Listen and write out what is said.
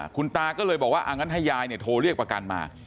คุณตาก็เลยบอกว่างั้นให้ยายโทรเรียกประกันมา